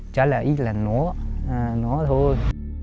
chắc là ít là nó nó thôi